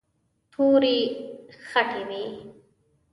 تورې خټې وې.